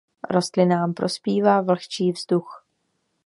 Rostlinám prospívá vlhčí vzduch.